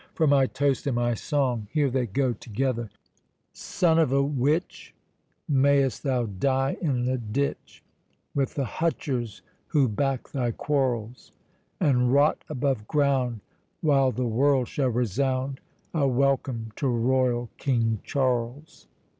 For my toast and my song, here they go together— Son of a witch, Mayst thou die in a ditch, With the hutchers who back thy quarrels; And rot above ground, While the world shall resound A welcome to Royal King Charles.